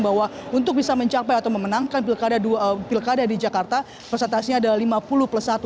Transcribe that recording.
bahwa untuk bisa mencapai atau memenangkan pilkada di jakarta presentasinya adalah lima puluh plus satu